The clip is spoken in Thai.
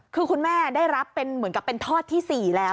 คือคุณแม่ได้รับเป็นเหมือนกับเป็นทอดที่๔แล้ว